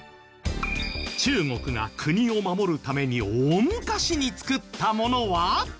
中国が国を守るために大昔に造ったものは？